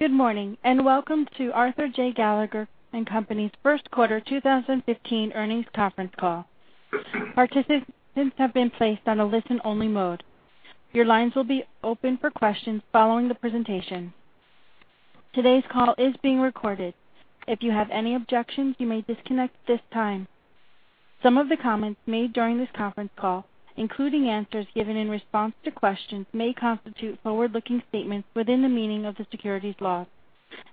Good morning, and welcome to Arthur J. Gallagher & Company's first quarter 2015 earnings conference call. Participants have been placed on a listen-only mode. Your lines will be open for questions following the presentation. Today's call is being recorded. If you have any objections, you may disconnect this time. Some of the comments made during this conference call, including answers given in response to questions, may constitute forward-looking statements within the meaning of the securities laws.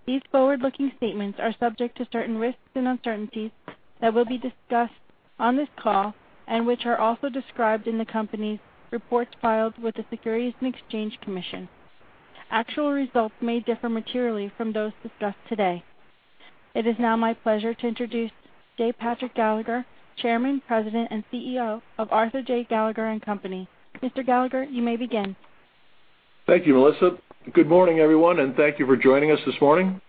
These forward-looking statements are subject to certain risks and uncertainties that will be discussed on this call and which are also described in the Company's reports filed with the Securities and Exchange Commission. Actual results may differ materially from those discussed today. It is now my pleasure to introduce J. Patrick Gallagher, Chairman, President, and CEO of Arthur J. Gallagher & Company. Mr. Gallagher, you may begin. Thank you, Melissa. Good morning, everyone, and thank you for joining us this morning.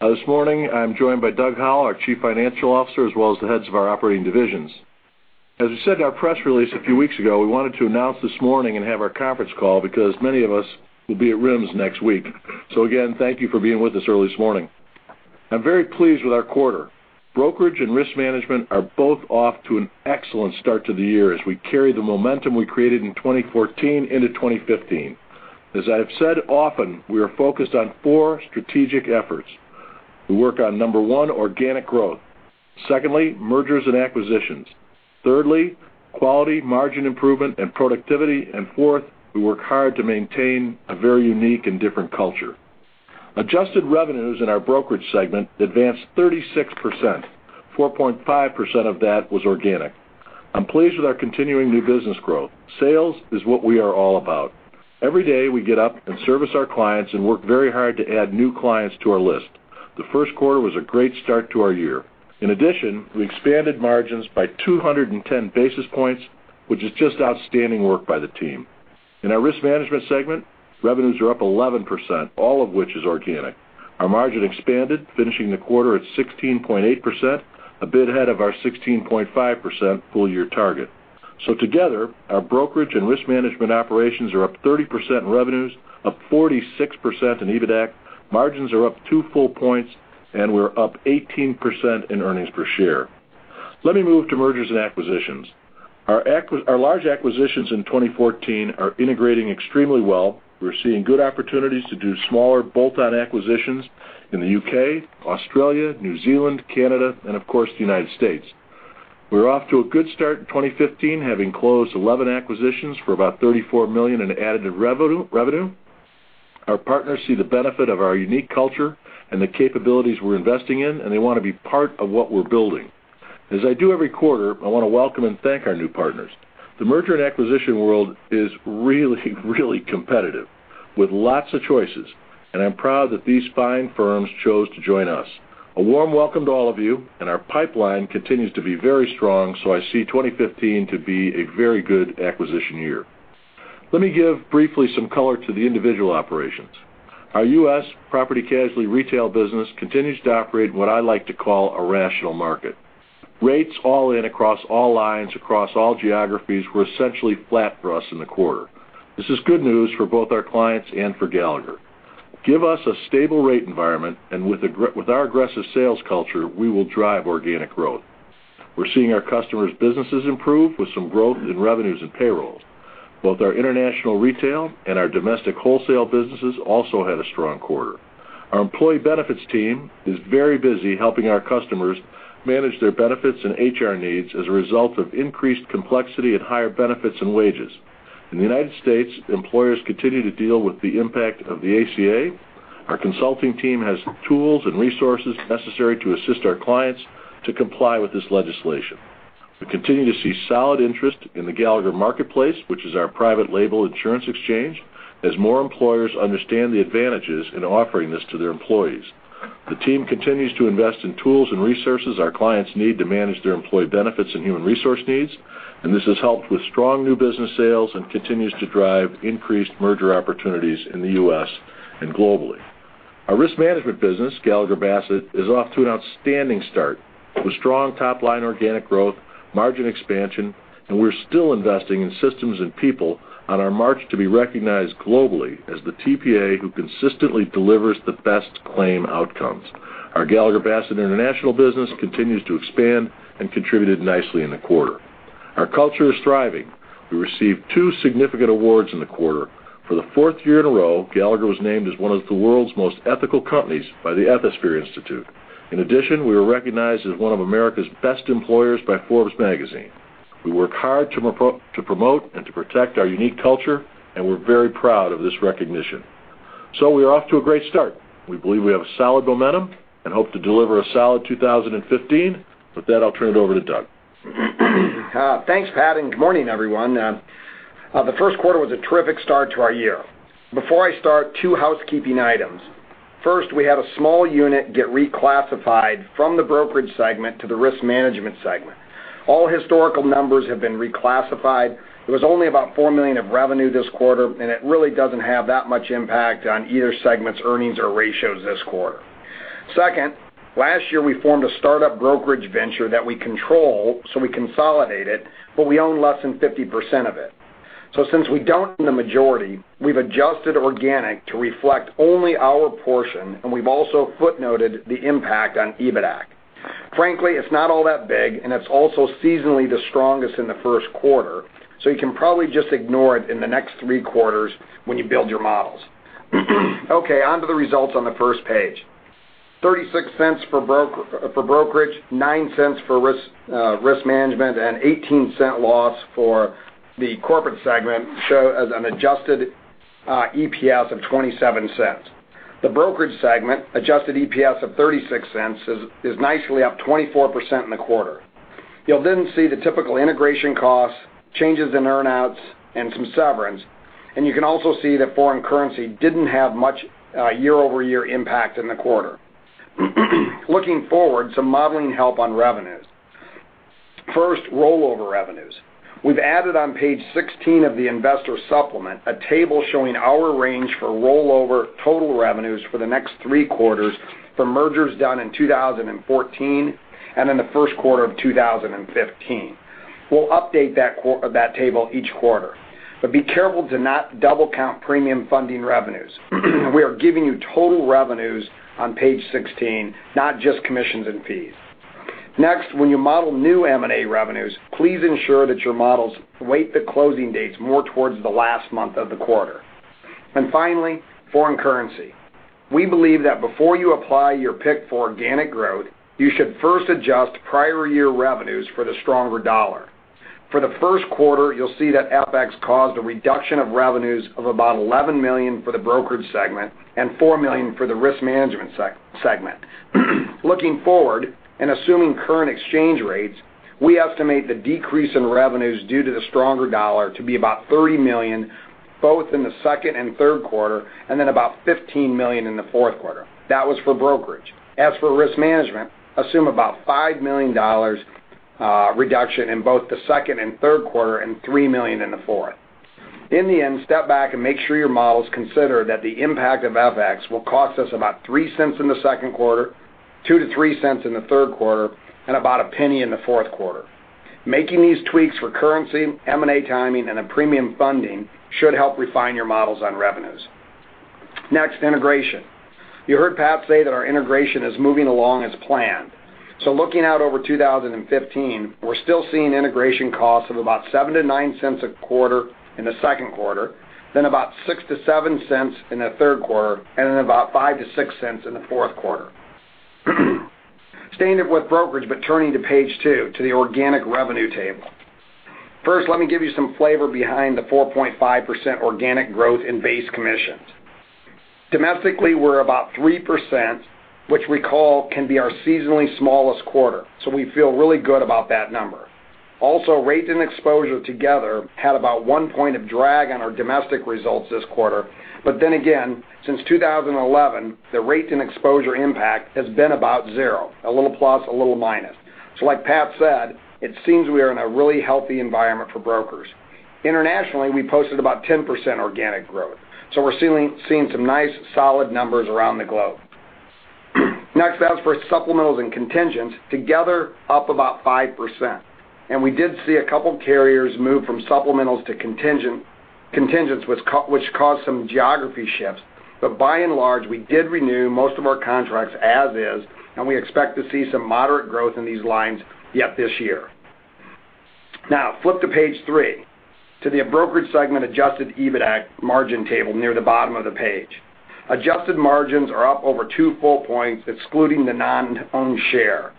This morning, I'm joined by Doug Howell, our Chief Financial Officer, as well as the heads of our operating divisions. As we said in our press release a few weeks ago, we wanted to announce this morning and have our conference call because many of us will be at RIMS next week. Again, thank you for being with us early this morning. I'm very pleased with our quarter. Brokerage and risk management are both off to an excellent start to the year as we carry the momentum we created in 2014 into 2015. As I have said often, we are focused on four strategic efforts. We work on, number one, organic growth. Secondly, mergers and acquisitions. Thirdly, quality, margin improvement, and productivity. Fourth, we work hard to maintain a very unique and different culture. Adjusted revenues in our brokerage segment advanced 36%, 4.5% of that was organic. I'm pleased with our continuing new business growth. Sales is what we are all about. Every day, we get up and service our clients and work very hard to add new clients to our list. The first quarter was a great start to our year. In addition, we expanded margins by 210 basis points, which is just outstanding work by the team. In our risk management segment, revenues are up 11%, all of which is organic. Our margin expanded, finishing the quarter at 16.8%, a bit ahead of our 16.5% full-year target. Together, our brokerage and risk management operations are up 30% in revenues, up 46% in EBITDA, margins are up two full points, and we're up 18% in earnings per share. Let me move to mergers and acquisitions. Our large acquisitions in 2014 are integrating extremely well. We're seeing good opportunities to do smaller bolt-on acquisitions in the U.K., Australia, New Zealand, Canada, and of course, the United States. We're off to a good start in 2015, having closed 11 acquisitions for about $34 million in added revenue. Our partners see the benefit of our unique culture and the capabilities we're investing in, and they want to be part of what we're building. As I do every quarter, I want to welcome and thank our new partners. The merger and acquisition world is really competitive with lots of choices, and I'm proud that these fine firms chose to join us. A warm welcome to all of you, and our pipeline continues to be very strong, so I see 2015 to be a very good acquisition year. Let me give briefly some color to the individual operations. Our U.S. property-casualty retail business continues to operate what I like to call a rational market. Rates all in across all lines, across all geographies were essentially flat for us in the quarter. This is good news for both our clients and for Gallagher. Give us a stable rate environment, and with our aggressive sales culture, we will drive organic growth. We're seeing our customers' businesses improve with some growth in revenues and payrolls. Both our international retail and our domestic wholesale businesses also had a strong quarter. Our employee benefits team is very busy helping our customers manage their benefits and HR needs as a result of increased complexity and higher benefits and wages. In the United States, employers continue to deal with the impact of the ACA. Our consulting team has the tools and resources necessary to assist our clients to comply with this legislation. We continue to see solid interest in the Gallagher Marketplace, which is our private label insurance exchange, as more employers understand the advantages in offering this to their employees. The team continues to invest in tools and resources our clients need to manage their employee benefits and human resource needs. This has helped with strong new business sales and continues to drive increased merger opportunities in the U.S. and globally. Our risk management business, Gallagher Bassett, is off to an outstanding start with strong top-line organic growth, margin expansion. We're still investing in systems and people on our march to be recognized globally as the TPA who consistently delivers the best claim outcomes. Our Gallagher Bassett International business continues to expand and contributed nicely in the quarter. Our culture is thriving. We received two significant awards in the quarter. For the fourth year in a row, Gallagher was named as one of the world's most ethical companies by the Ethisphere Institute. In addition, we were recognized as one of America's best employers by Forbes Magazine. We work hard to promote and to protect our unique culture. We're very proud of this recognition. We are off to a great start. We believe we have a solid momentum and hope to deliver a solid 2015. With that, I'll turn it over to Doug. Thanks, Pat. Good morning, everyone. The first quarter was a terrific start to our year. Before I start, two housekeeping items. First, we had a small unit get reclassified from the brokerage segment to the risk management segment. All historical numbers have been reclassified. It was only about $4 million of revenue this quarter. It really doesn't have that much impact on either segment's earnings or ratios this quarter. Second, last year we formed a startup brokerage venture that we control, so we consolidate it, but we own less than 50% of it. Since we don't own the majority, we've adjusted organic to reflect only our portion. We've also footnoted the impact on EBITAC. Frankly, it's not all that big. It's also seasonally the strongest in the first quarter. You can probably just ignore it in the next three quarters when you build your models. Onto the results on the first page. $0.36 for brokerage, $0.09 for risk management, and $0.18 loss for the corporate segment, show as an adjusted EPS of $0.27. The brokerage segment adjusted EPS of $0.36, is nicely up 24% in the quarter. You'll then see the typical integration costs, changes in earn-outs, and some severance, and you can also see that foreign currency didn't have much year-over-year impact in the quarter. Looking forward, some modeling help on revenues. Rollover revenues. We've added on page 16 of the investor supplement, a table showing our range for rollover total revenues for the next three quarters from mergers done in 2014 and in the first quarter of 2015. We'll update that table each quarter, be careful to not double count premium funding revenues. We are giving you total revenues on page 16, not just commissions and fees. When you model new M&A revenues, please ensure that your models weight the closing dates more towards the last month of the quarter. Finally, foreign currency. We believe that before you apply your pick for organic growth, you should first adjust prior year revenues for the stronger dollar. For the first quarter, you'll see that FX caused a reduction of revenues of about $11 million for the brokerage segment and $4 million for the risk management segment. Looking forward, assuming current exchange rates, we estimate the decrease in revenues due to the stronger dollar to be about $30 million, both in the second and third quarter, and about $15 million in the fourth quarter. That was for brokerage. As for risk management, assume about $5 million reduction in both the second and third quarter and $3 million in the fourth. In the end, step back and make sure your models consider that the impact of FX will cost us about $0.03 in the second quarter, $0.02-$0.03 in the third quarter, and about $0.01 in the fourth quarter. Making these tweaks for currency, M&A timing, and a premium funding should help refine your models on revenues. Integration. You heard Pat say that our integration is moving along as planned. Looking out over 2015, we're still seeing integration costs of about $0.07-$0.09 a quarter in the second quarter, about $0.06-$0.07 in the third quarter, and about $0.05-$0.06 in the fourth quarter. Staying with brokerage, turning to page two, to the organic revenue table. Let me give you some flavor behind the 4.5% organic growth in base commissions. Domestically, we're about 3%, which we call can be our seasonally smallest quarter, we feel really good about that number. Rates and exposure together had about one point of drag on our domestic results this quarter, again, since 2011, the rates and exposure impact has been about zero, a little plus, a little minus. Like Pat said, it seems we are in a really healthy environment for brokers. Internationally, we posted about 10% organic growth. We're seeing some nice solid numbers around the globe. As for supplementals and contingents, together up about 5%. We did see a couple carriers move from supplementals to contingents which caused some geography shifts. By and large, we did renew most of our contracts as is, and we expect to see some moderate growth in these lines yet this year. Now, flip to page three, to the brokerage segment adjusted EBITAC margin table near the bottom of the page. Adjusted margins are up over two full points, excluding the non-own share.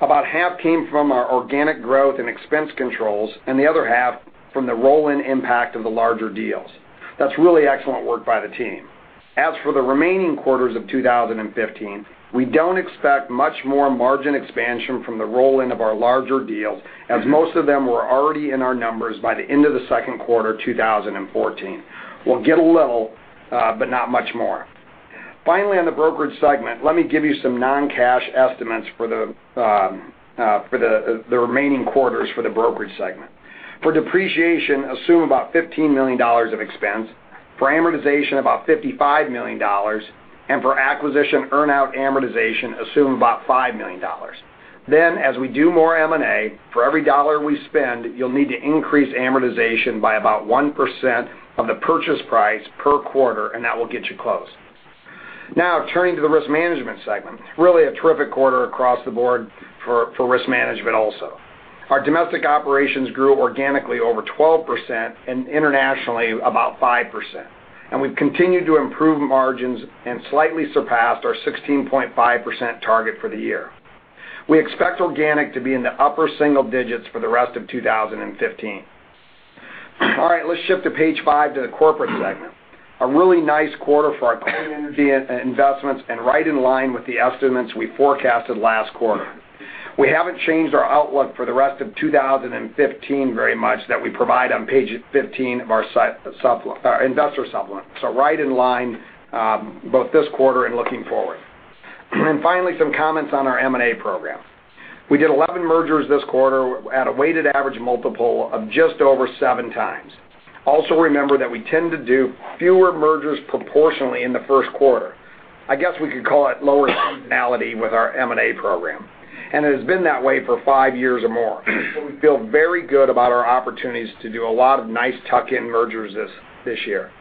About half came from our organic growth and expense controls, and the other half from the roll-in impact of the larger deals. That's really excellent work by the team. As for the remaining quarters of 2015, we don't expect much more margin expansion from the roll-in of our larger deals, as most of them were already in our numbers by the end of the second quarter 2014. We'll get a little, but not much more. Finally, on the brokerage segment, let me give you some non-cash estimates for the remaining quarters for the brokerage segment. For depreciation, assume about $15 million of expense. For amortization, about $55 million. For acquisition earn-out amortization, assume about $5 million. As we do more M&A, for every dollar we spend, you'll need to increase amortization by about 1% of the purchase price per quarter, and that will get you close. Turning to the risk management segment. Really a terrific quarter across the board for risk management also. Our domestic operations grew organically over 12%, and internationally about 5%. We've continued to improve margins and slightly surpassed our 16.5% target for the year. We expect organic to be in the upper single digits for the rest of 2015. All right. Let's shift to page five to the corporate segment. A really nice quarter for our clean energy investments and right in line with the estimates we forecasted last quarter. We haven't changed our outlook for the rest of 2015 very much, that we provide on page 15 of our investor supplement. Right in line both this quarter and looking forward. Finally, some comments on our M&A program. We did 11 mergers this quarter at a weighted average multiple of just over 7x. Also, remember that we tend to do fewer mergers proportionally in the first quarter. I guess we could call it lower seasonality with our M&A program. It has been that way for five years or more. We feel very good about our opportunities to do a lot of nice tuck-in mergers this year.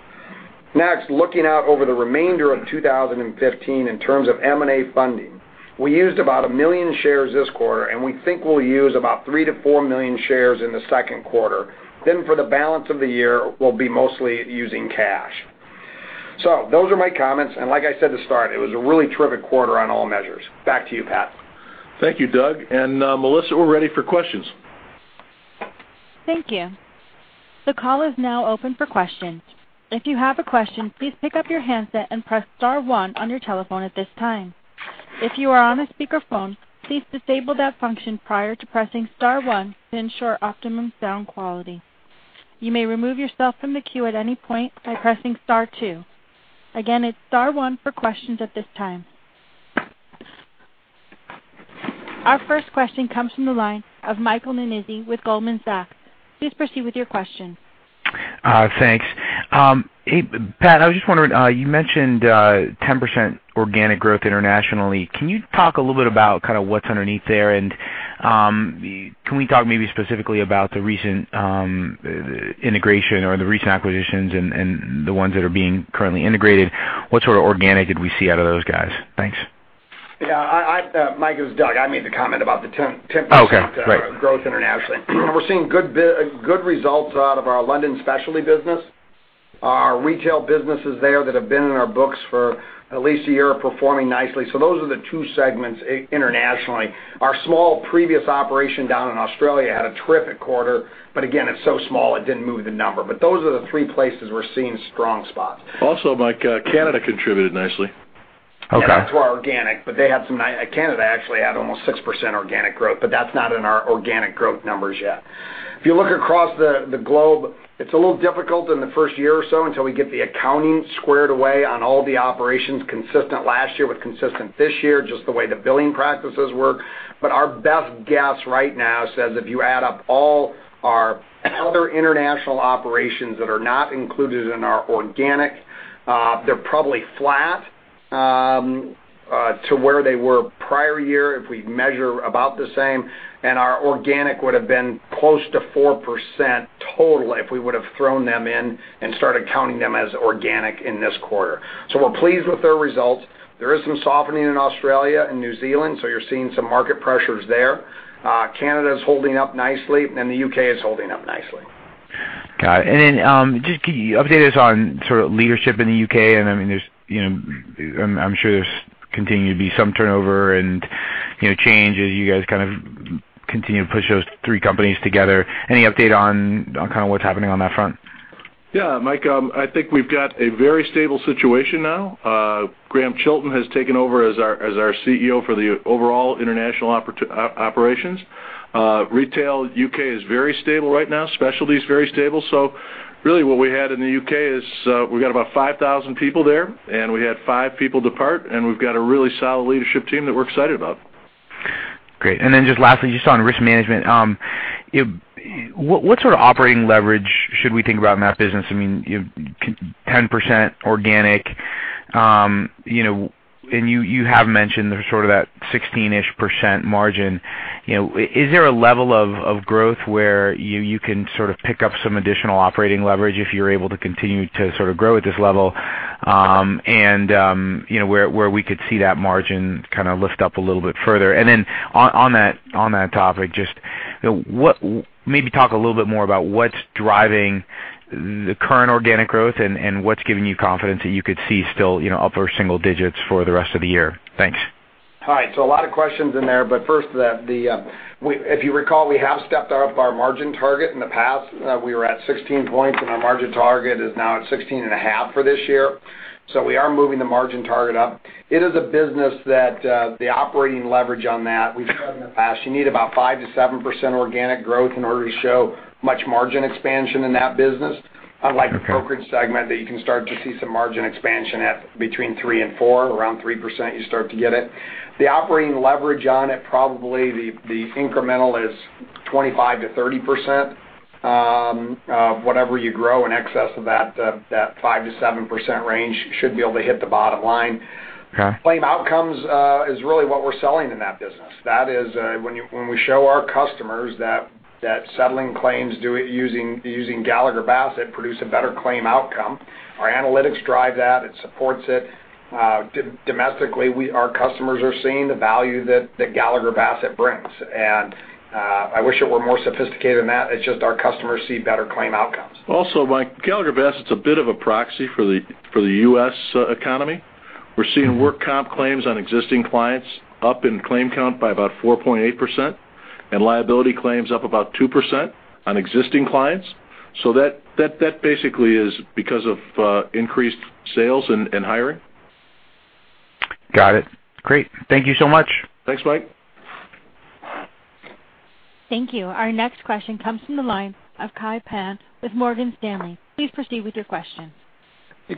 Next, looking out over the remainder of 2015 in terms of M&A funding, we used about 1 million shares this quarter, and we think we'll use about 3 million-4 million shares in the second quarter. For the balance of the year, we'll be mostly using cash. Those are my comments, and like I said at the start, it was a really terrific quarter on all measures. Back to you, Pat. Thank you, Doug. Melissa, we're ready for questions. Thank you. The call is now open for questions. If you have a question, please pick up your handset and press star one on your telephone at this time. If you are on a speakerphone, please disable that function prior to pressing star one to ensure optimum sound quality. You may remove yourself from the queue at any point by pressing star two. Again, it's star one for questions at this time. Our first question comes from the line of Michael Nannizzi with Goldman Sachs. Please proceed with your question. Thanks. Hey, Pat, I was just wondering, you mentioned 10% organic growth internationally. Can you talk a little bit about what's underneath there? Can we talk maybe specifically about the recent integration or the recent acquisitions and the ones that are being currently integrated? What sort of organic did we see out of those guys? Thanks. Yeah, Mike, it's Doug. I made the comment about the 10%- Okay, great growth internationally. We're seeing good results out of our London specialty business. Our retail businesses there that have been in our books for at least one year are performing nicely. Those are the two segments internationally. Our small previous operation down in Australia had a terrific quarter, again, it's so small it didn't move the number. Those are the three places we're seeing strong spots. Mike, Canada contributed nicely. Okay. Yeah, not to our organic, Canada actually had almost 6% organic growth, that's not in our organic growth numbers yet. If you look across the globe, it's a little difficult in the first year or so until we get the accounting squared away on all the operations consistent last year with consistent this year, just the way the billing practices work. Our best guess right now says if you add up all our other international operations that are not included in our organic, they're probably flat, to where they were prior year, if we measure about the same, and our organic would have been close to 4% total if we would have thrown them in and started counting them as organic in this quarter. We're pleased with their results. There is some softening in Australia and New Zealand, you're seeing some market pressures there. Canada's holding up nicely, and the U.K. is holding up nicely. Got it. Then, just can you update us on sort of leadership in the U.K.? I'm sure there's continuing to be some turnover and changes. You guys kind of continue to push those three companies together. Any update on kind of what's happening on that front? Yeah, Mike, I think we've got a very stable situation now. Grahame Chilton has taken over as our CEO for the overall international operations. Retail U.K. is very stable right now. Specialty is very stable. Really what we had in the U.K. is, we got about 5,000 people there, and we had five people depart, and we've got a really solid leadership team that we're excited about. Great. Then just lastly, just on risk management. What sort of operating leverage should we think about in that business? I mean, 10% organic, and you have mentioned there's sort of that 16-ish% margin. Is there a level of growth where you can sort of pick up some additional operating leverage if you're able to continue to sort of grow at this level, and where we could see that margin kind of lift up a little bit further? Then on that topic, just maybe talk a little bit more about what's driving the current organic growth and what's giving you confidence that you could see still upper single digits for the rest of the year. Thanks. All right. A lot of questions in there, but first, if you recall, we have stepped up our margin target in the past. We were at 16 points, and our margin target is now at 16.5 for this year. We are moving the margin target up. It is a business that the operating leverage on that we've done in the past, you need about 5%-7% organic growth in order to show much margin expansion in that business. Unlike the brokerage segment that you can start to see some margin expansion at between 3% and 4%, around 3%, you start to get it. The operating leverage on it, probably the incremental is 25%-30%. Whatever you grow in excess of that 5%-7% range should be able to hit the bottom line. Okay. Claim outcomes is really what we're selling in that business. That is, when we show our customers that settling claims using Gallagher Bassett produce a better claim outcome, our analytics drive that, it supports it. Domestically, our customers are seeing the value that Gallagher Bassett brings. I wish it were more sophisticated than that. It's just our customers see better claim outcomes. Also, Mike, Gallagher Bassett's a bit of a proxy for the U.S. economy. We're seeing work comp claims on existing clients up in claim count by about 4.8%, and liability claims up about 2% on existing clients. That basically is because of increased sales and hiring. Got it. Great. Thank you so much. Thanks, Mike. Thank you. Our next question comes from the line of Kai Pan with Morgan Stanley. Please proceed with your question.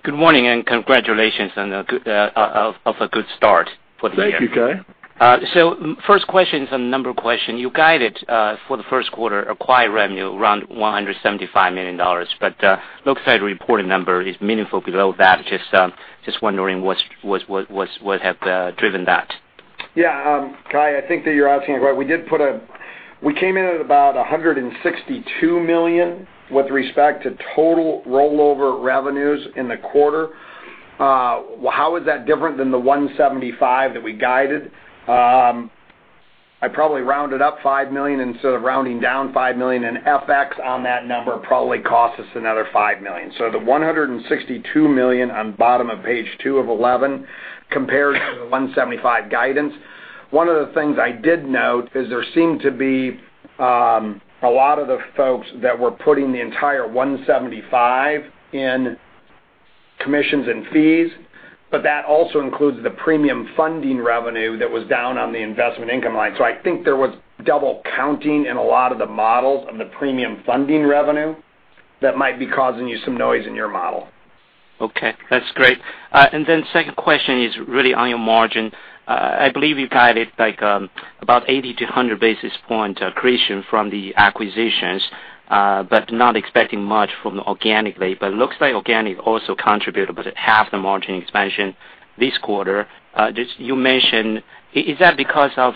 Good morning, congratulations of a good start for the year. Thank you, Kai. First question is a number question. You guided for the first quarter acquired revenue around $175 million, but looks like the reported number is meaningful below that. Just wondering what have driven that? Yeah. Kai, I think that you're asking about, we came in at about $162 million with respect to total rollover revenues in the quarter. How is that different than the $175 that we guided? I probably rounded up five million instead of rounding down five million, and FX on that number probably cost us another five million. The $162 million on bottom of page two of 11 compared to the $175 guidance. One of the things I did note is there seemed to be a lot of the folks that were putting the entire $175 in commissions and fees, but that also includes the premium funding revenue that was down on the investment income line. I think there was double counting in a lot of the models of the premium funding revenue that might be causing you some noise in your model. Okay. That's great. Second question is really on your margin. I believe you guided about 80 to 100 basis point accretion from the acquisitions, but not expecting much from the organic rate. Looks like organic also contributed about half the margin expansion this quarter. You mentioned, is that because of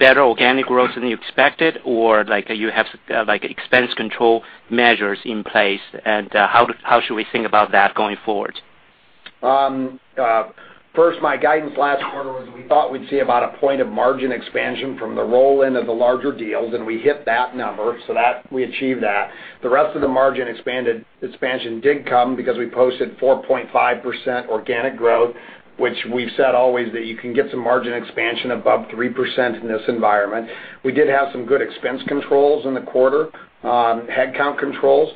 better organic growth than you expected, or you have expense control measures in place, and how should we think about that going forward? First, my guidance last quarter was we thought we'd see about a point of margin expansion from the roll-in of the larger deals, and we hit that number, so we achieved that. The rest of the margin expansion did come because we posted 4.5% organic growth, which we've said always that you can get some margin expansion above 3% in this environment. We did have some good expense controls in the quarter, headcount controls.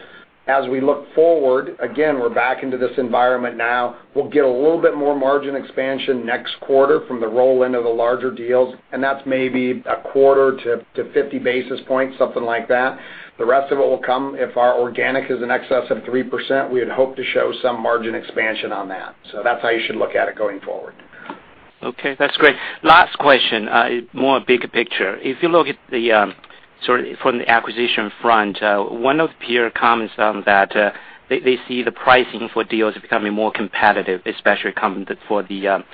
As we look forward, again, we're back into this environment now. We'll get a little bit more margin expansion next quarter from the roll-in of the larger deals, and that's maybe a quarter to 50 basis points, something like that. The rest of it will come if our organic is in excess of 3%, we would hope to show some margin expansion on that. That's how you should look at it going forward. Okay. That's great. Last question, more big picture. If you look from the acquisition front, one of the peer comments that they see the pricing for deals becoming more competitive, especially coming for the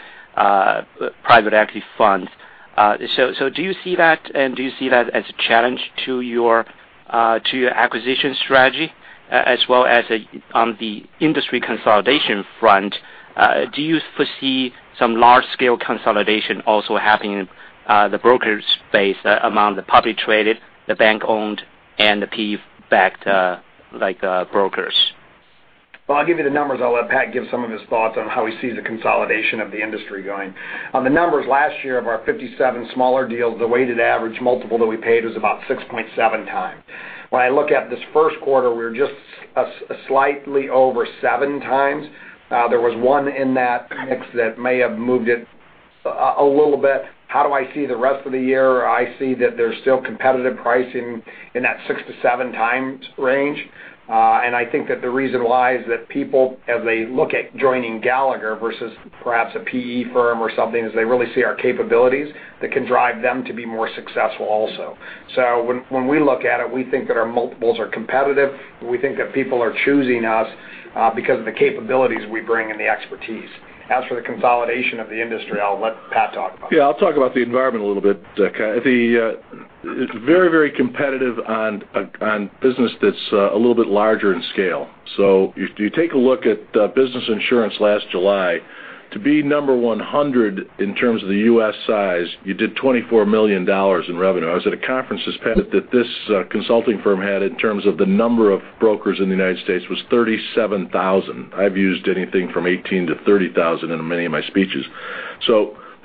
private equity funds. Do you see that, and do you see that as a challenge to your acquisition strategy as well as on the industry consolidation front? Do you foresee some large-scale consolidation also happening in the brokers space among the public traded, the bank-owned, and the PE-backed brokers? Well, I'll give you the numbers. I'll let Pat give some of his thoughts on how he sees the consolidation of the industry going. On the numbers, last year of our 57 smaller deals, the weighted average multiple that we paid was about 6.7 times. When I look at this first quarter, we're just slightly over seven times. There was one in that mix that may have moved it a little bit. How do I see the rest of the year? I see that there's still competitive pricing in that six to seven times range. I think that the reason why is that people, as they look at joining Gallagher versus perhaps a PE firm or something, is they really see our capabilities that can drive them to be more successful also. When we look at it, we think that our multiples are competitive, and we think that people are choosing us because of the capabilities we bring and the expertise. As for the consolidation of the industry, I'll let Pat talk about that. Yeah, I'll talk about the environment a little bit, Kai. It's very competitive on business that's a little bit larger in scale. If you take a look at Business Insurance last July, to be number 100 in terms of the U.S. size, you did $24 million in revenue. I was at a conference, Pat, that this consulting firm had in terms of the number of brokers in the U.S. was 37,000. I've used anything from 18,000 to 30,000 in many of my speeches.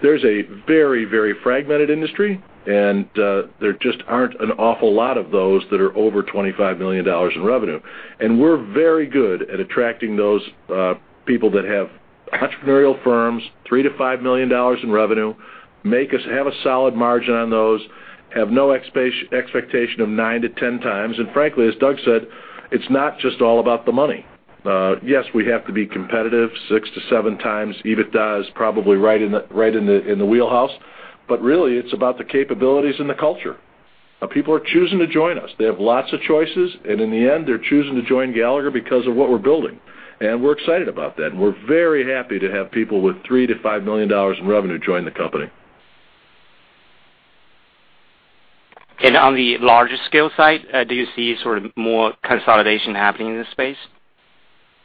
There's a very fragmented industry, and there just aren't an awful lot of those that are over $25 million in revenue. We're very good at attracting those people that have entrepreneurial firms, $3 million to $5 million in revenue, have a solid margin on those, have no expectation of nine to 10 times. Frankly, as Doug said, it's not just all about the money. Yes, we have to be competitive. Six to seven times EBITDA is probably right in the wheelhouse. Really, it's about the capabilities and the culture. People are choosing to join us. They have lots of choices, and in the end, they're choosing to join Gallagher because of what we're building. We're excited about that, and we're very happy to have people with $3 million to $5 million in revenue join the company. On the larger scale side, do you see sort of more consolidation happening in this space?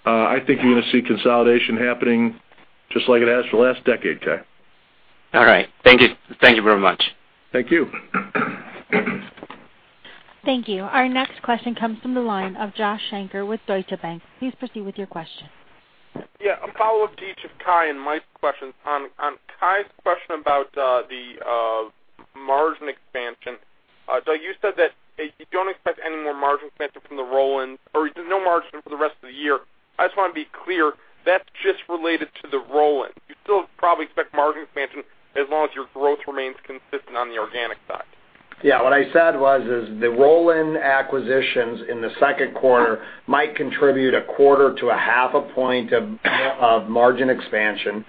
I think you're going to see consolidation happening just like it has for the last decade, Kai. All right. Thank you. Thank you very much. Thank you. Thank you. Our next question comes from the line of Joshua Shanker with Deutsche Bank. Please proceed with your question. Yeah. A follow-up to each of Kai and Mike's questions. On Kai's question about the margin expansion, Doug, you said that you don't expect any more margin expansion from the roll-in or no margin for the rest of the year. I just want to be clear, that's just related to the roll-in. You still probably expect margin expansion as long as your growth remains consistent on the organic side? Yeah. What I said was, is the roll-in acquisitions in the second quarter might contribute a quarter to a half a point of margin expansion.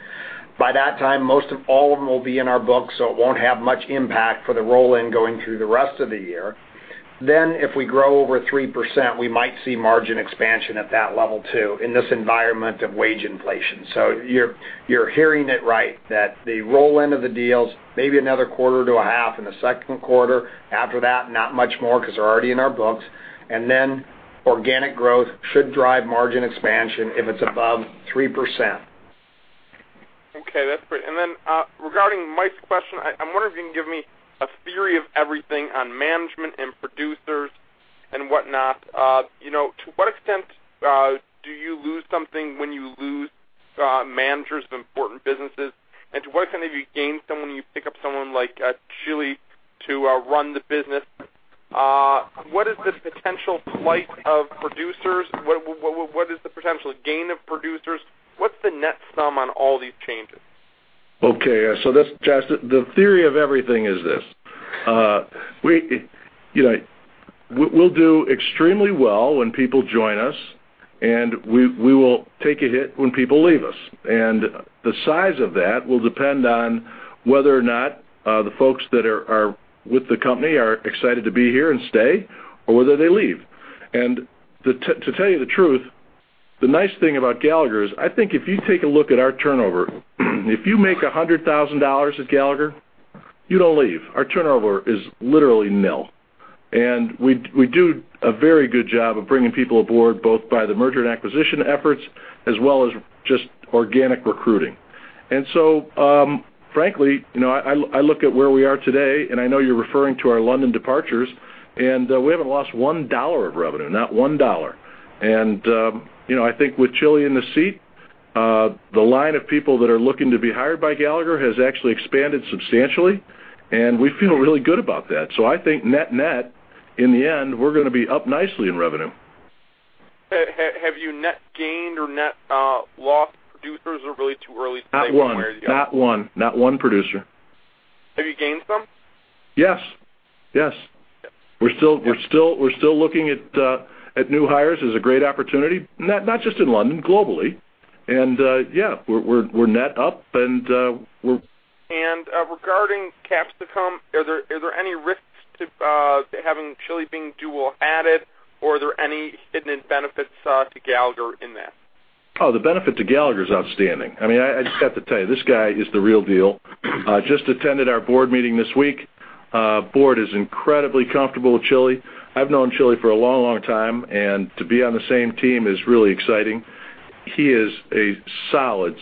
By that time, most of all of them will be in our books, so it won't have much impact for the roll-in going through the rest of the year. If we grow over 3%, we might see margin expansion at that level too, in this environment of wage inflation. You're hearing it right, that the roll-in of the deals, maybe another quarter to a half in the second quarter. After that, not much more because they're already in our books. Organic growth should drive margin expansion if it's above 3%. Okay, that's great. Regarding Mike's question, I'm wondering if you can give me a theory of everything on management and producers and whatnot. To what extent do you lose something when you lose managers of important businesses? To what extent do you gain someone when you pick up someone like Chily to run the business? What is the potential plight of producers? What is the potential gain of producers? What's the net sum on all these changes? Josh, the theory of everything is this. We'll do extremely well when people join us, and we will take a hit when people leave us, and the size of that will depend on whether or not the folks that are with the company are excited to be here and stay, or whether they leave. To tell you the truth, the nice thing about Gallagher is, I think if you take a look at our turnover, if you make $100,000 at Gallagher, you don't leave. Our turnover is literally nil. We do a very good job of bringing people aboard, both by the merger and acquisition efforts, as well as just organic recruiting. Frankly, I look at where we are today, and I know you're referring to our London departures, we haven't lost $1 of revenue, not $1. I think with Chily in the seat, the line of people that are looking to be hired by Gallagher has actually expanded substantially, and we feel really good about that. I think net net, in the end, we're going to be up nicely in revenue. Have you net gained or net lost producers, or really too early to say one way or the other? Not one producer. Have you gained some? Yes. We're still looking at new hires as a great opportunity, not just in London, globally. Yeah, we're net up. Regarding Capsicum, are there any risks to having Chily Being dual added, or are there any hidden benefits to Gallagher in that? The benefit to Gallagher is outstanding. I just have to tell you, this guy is the real deal. Just attended our board meeting this week. Board is incredibly comfortable with Chily. I've known Chily for a long time, and to be on the same team is really exciting. He is a solid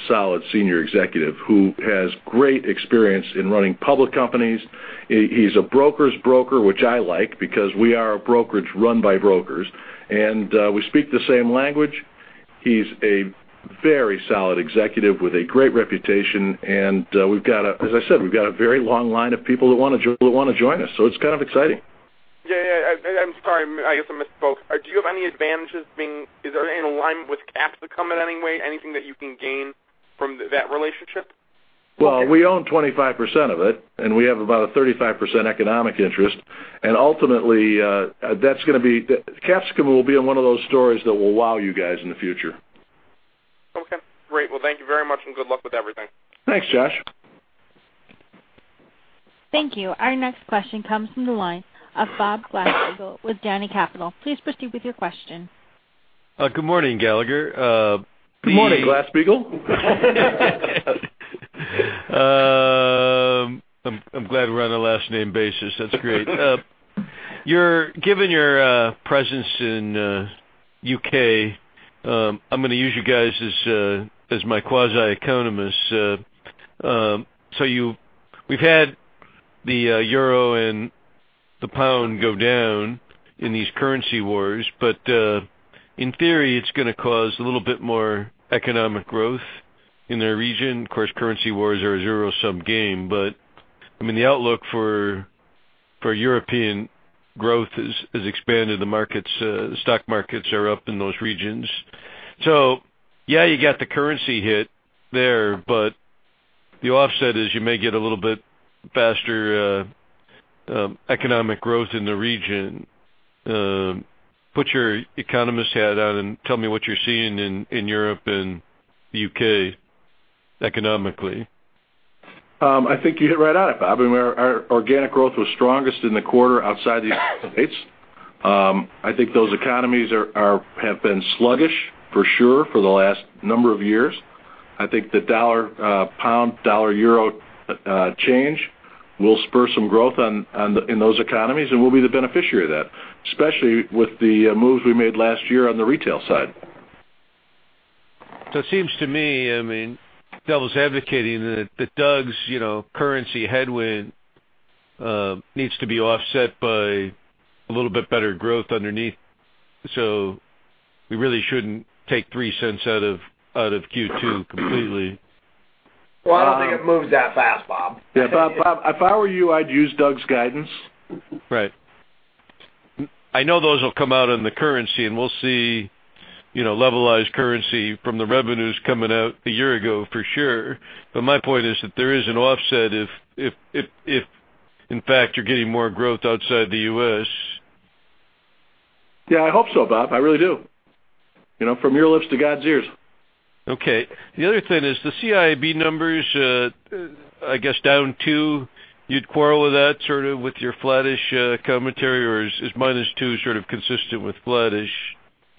senior executive who has great experience in running public companies. He's a broker's broker, which I like, because we are a brokerage run by brokers, and we speak the same language. He's a very solid executive with a great reputation, and as I said, we've got a very long line of people that want to join us, so it's kind of exciting. Yeah. I'm sorry, I guess I misspoke. Is there any alignment with Capsicum in any way? Anything that you can gain from that relationship? Well, we own 25% of it. We have about a 35% economic interest. Ultimately, Capsicum will be in one of those stories that will wow you guys in the future. Okay, great. Well, thank you very much. Good luck with everything. Thanks, Josh. Thank you. Our next question comes from the line of Bob Glasspiegel with Janney Capital. Please proceed with your question. Good morning, Gallagher. Good morning, Glasspiegel. I'm glad we're on a last name basis. That's great. Given your presence in U.K., I'm going to use you guys as my quasi-economists. We've had the euro and the pound go down in these currency wars, but in theory, it's going to cause a little bit more economic growth in the region. Of course, currency wars are a zero-sum game, but the outlook for European growth has expanded. The stock markets are up in those regions. Yeah, you got the currency hit there, but the offset is you may get a little bit faster economic growth in the region. Put your economist hat on and tell me what you're seeing in Europe and the U.K. economically. I think you hit it right on it, Bob. Our organic growth was strongest in the quarter outside the U.S. I think those economies have been sluggish for sure for the last number of years. I think the pound, dollar, euro change will spur some growth in those economies, and we'll be the beneficiary of that, especially with the moves we made last year on the retail side. It seems to me, devil's advocating that Doug's currency headwind needs to be offset by a little bit better growth underneath. We really shouldn't take $0.03 out of Q2 completely. Well, I don't think it moves that fast, Bob. Yeah. Bob, if I were you, I'd use Doug's guidance. Right. I know those will come out in the currency, and we'll see levelized currency from the revenues coming out a year ago, for sure. My point is that there is an offset if, in fact, you're getting more growth outside the U.S. Yeah, I hope so, Bob. I really do. From your lips to God's ears. Okay. The other thing is the CIAB numbers, I guess down 2%, you'd quarrel with that sort of with your flattish commentary, or is -2% sort of consistent with flattish?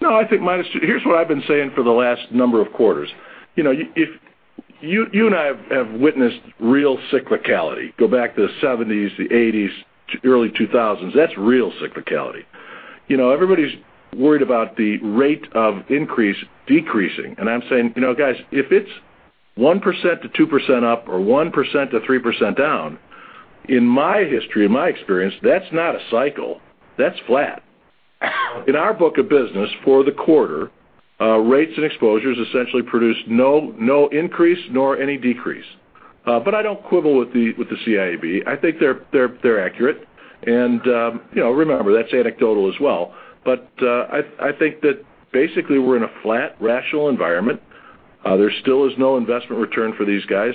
No, I think -2%. Here's what I've been saying for the last number of quarters. You and I have witnessed real cyclicality. Go back to the 1970s, the 1980s, early 2000s. That's real cyclicality. Everybody's worried about the rate of increase decreasing. I'm saying, guys, if it's 1% to 2% up or 1% to 3% down, in my history, in my experience, that's not a cycle. That's flat. In our book of business for the quarter, rates and exposures essentially produced no increase nor any decrease. I don't quibble with the CIAB. I think they're accurate. Remember, that's anecdotal as well. I think that basically, we're in a flat, rational environment. There still is no investment return for these guys.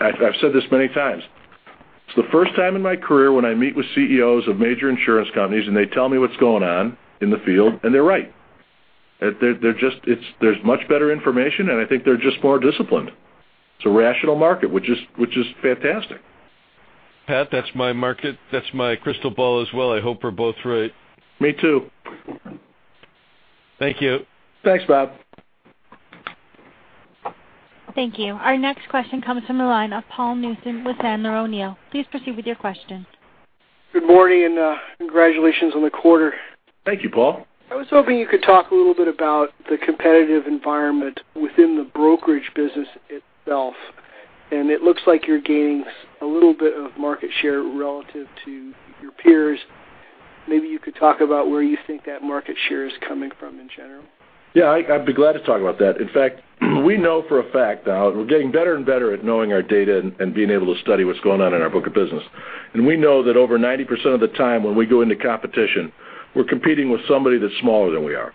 I've said this many times. It's the first time in my career when I meet with CEOs of major insurance companies, and they tell me what's going on in the field, and they're right. There's much better information. I think they're just more disciplined. It's a rational market, which is fantastic. Pat, that's my market. That's my crystal ball as well. I hope we're both right. Me too. Thank you. Thanks, Bob. Thank you. Our next question comes from the line of Paul Newsome with Sandler O'Neill. Please proceed with your question. Good morning, Congratulations on the quarter. Thank you, Paul. I was hoping you could talk a little bit about the competitive environment within the brokerage business itself. It looks like you're gaining a little bit of market share relative to your peers. Maybe you could talk about where you think that market share is coming from in general. Yeah, I'd be glad to talk about that. In fact, we know for a fact now, we're getting better and better at knowing our data and being able to study what's going on in our book of business. We know that over 90% of the time when we go into competition, we're competing with somebody that's smaller than we are.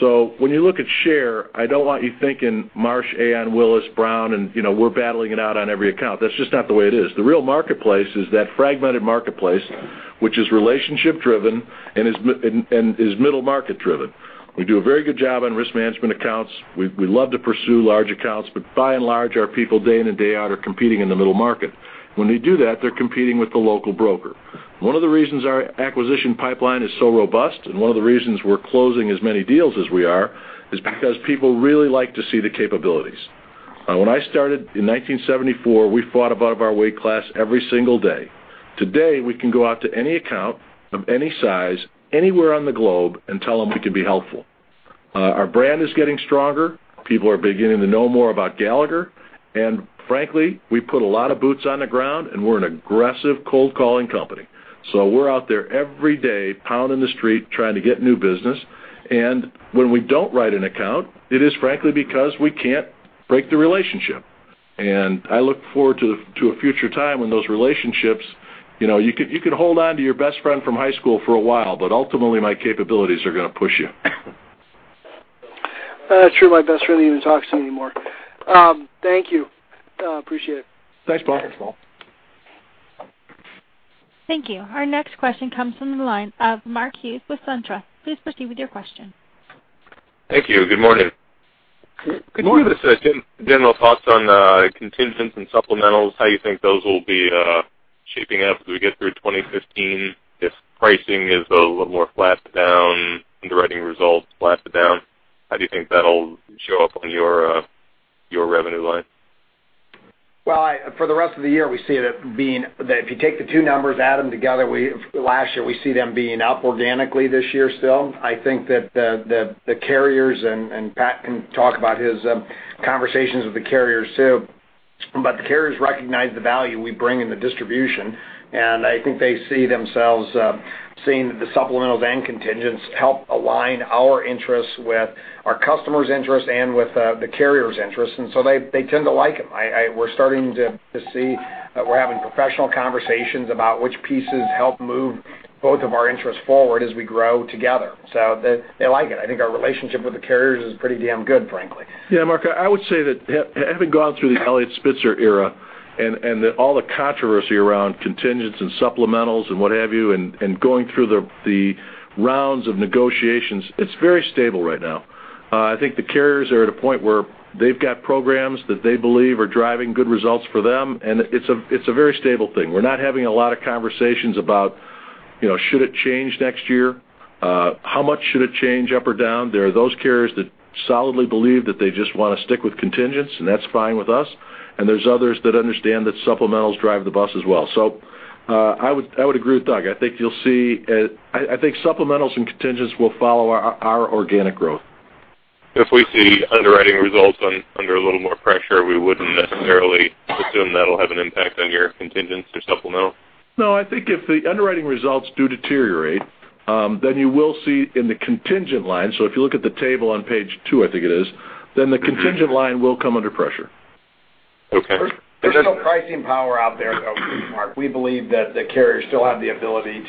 When you look at share, I don't want you thinking Marsh, Aon, Willis, Brown, and we're battling it out on every account. That's just not the way it is. The real marketplace is that fragmented marketplace, which is relationship-driven and is middle market driven. We do a very good job on risk management accounts. We love to pursue large accounts, but by and large, our people day in and day out are competing in the middle market. When they do that, they're competing with the local broker. One of the reasons our acquisition pipeline is so robust, and one of the reasons we're closing as many deals as we are, is because people really like to see the capabilities. When I started in 1974, we fought above our weight class every single day. Today, we can go out to any account of any size, anywhere on the globe, and tell them we can be helpful. Our brand is getting stronger. People are beginning to know more about Gallagher. Frankly, we put a lot of boots on the ground, and we're an aggressive cold calling company. We're out there every day pounding the street, trying to get new business. When we don't write an account, it is frankly because we can't break the relationship. I look forward to a future time when those relationships, you can hold on to your best friend from high school for a while, but ultimately, my capabilities are going to push you. That's true. My best friend doesn't even talk to me anymore. Thank you. Appreciate it. Thanks, Paul. Thank you. Our next question comes from the line of Mark Hughes with SunTrust. Please proceed with your question. Thank you. Good morning. Good morning. Can you give us general thoughts on contingents and supplementals, how you think those will be shaping up as we get through 2015? If pricing is a little more flat to down, underwriting results flat to down, how do you think that'll show up on your revenue line? Well, for the rest of the year, we see that if you take the two numbers, add them together, last year, we see them being up organically this year still. I think that the carriers, and Pat can talk about his conversations with the carriers, too, but the carriers recognize the value we bring in the distribution. I think they see themselves seeing that the supplementals and contingents help align our interests with our customers' interests and with the carriers' interests, they tend to like them. We're starting to see that we're having professional conversations about which pieces help move both of our interests forward as we grow together. They like it. I think our relationship with the carriers is pretty damn good, frankly. Yeah, Mark, I would say that having gone through the Eliot Spitzer era and all the controversy around contingents and supplementals and what have you, and going through the rounds of negotiations, it's very stable right now. I think the carriers are at a point where they've got programs that they believe are driving good results for them, and it's a very stable thing. We're not having a lot of conversations about should it change next year? How much should it change up or down? There are those carriers that solidly believe that they just want to stick with contingents, and that's fine with us. There's others that understand that supplementals drive the bus as well. I would agree with Doug. I think supplementals and contingents will follow our organic growth. If we see underwriting results under a little more pressure, we wouldn't necessarily assume that'll have an impact on your contingents or supplemental? No, I think if the underwriting results do deteriorate, you will see in the contingent line. If you look at the table on page two, I think it is, the contingent line will come under pressure. Okay. There's still pricing power out there, though, Mark. We believe that the carriers still have the ability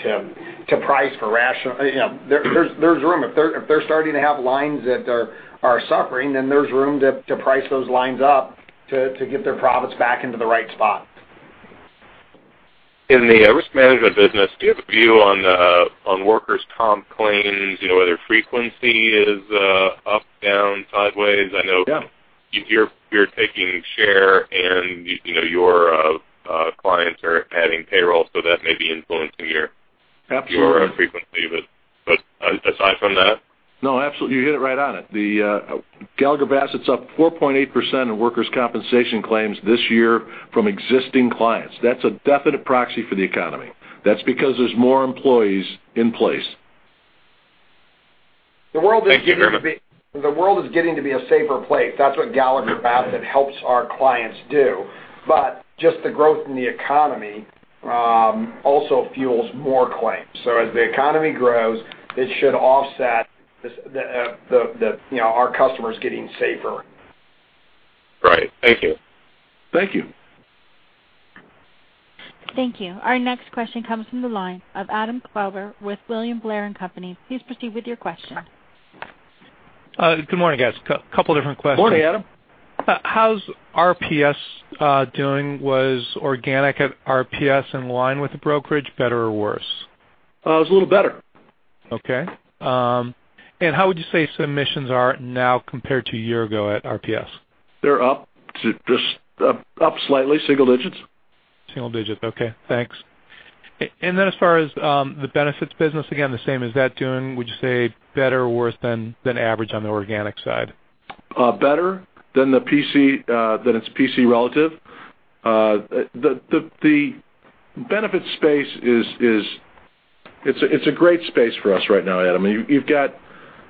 to price for. There's room. If they're starting to have lines that are suffering, there's room to price those lines up to get their profits back into the right spot. In the risk management business, do you have a view on workers' comp claims, whether frequency is up, down, sideways? Yeah. I know you're taking share, your clients are adding payroll, that may be influencing your- Absolutely Your frequency. Aside from that? No, absolutely. You hit it right on. The Gallagher Bassett's up 4.8% in workers' compensation claims this year from existing clients. That's a definite proxy for the economy. That's because there's more employees in place. Thank you very much. The world is getting to be a safer place. That is what Gallagher Bassett helps our clients do. Just the growth in the economy also fuels more claims. As the economy grows, it should offset our customers getting safer. Right. Thank you. Thank you. Thank you. Our next question comes from the line of Adam Klauber with William Blair & Company. Please proceed with your question. Good morning, guys. Couple different questions. Morning, Adam. How's RPS doing? Was organic at RPS in line with the brokerage better or worse? It was a little better. Okay. How would you say submissions are now compared to a year ago at RPS? They're up, just up slightly, single digits. Single digits. Okay, thanks. Then as far as the benefits business, again, the same. Is that doing, would you say, better or worse than average on the organic side? Better than its P&C relative. The benefits space is a great space for us right now, Adam. You've got